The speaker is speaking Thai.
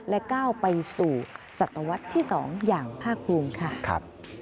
และก้าวไปสู่ศตวรรษที่๒อย่างภาคภูมิค่ะ